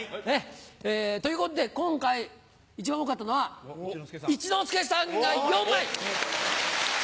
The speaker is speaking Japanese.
えということで今回一番多かったのは一之輔さんが４枚！